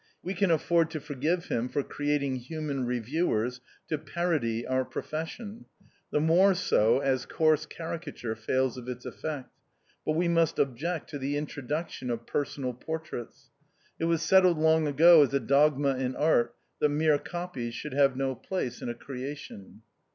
We can afford to for give him for creating human reviewers to parody our profession, the more so as coarse caricature fails of its effect ; but we must object to the introduction of personal por traits ; it was settled long ago as a dogma in art that mere copies should have no place in a creation.